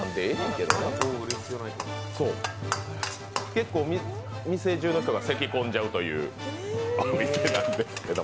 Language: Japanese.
結構店中の人がせき込んじゃうというお店なんですけど。